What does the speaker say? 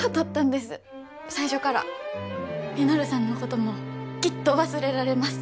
稔さんのこともきっと忘れられます。